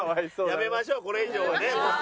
やめましょうこれ以上はね。